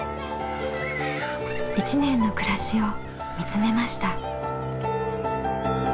１年の暮らしを見つめました。